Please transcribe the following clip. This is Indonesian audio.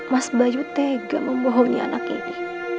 mas bayu tega membohongi anak ini